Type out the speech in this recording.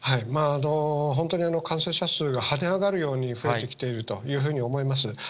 本当に、感染者数が跳ね上がるように増えてきているというふうに思います。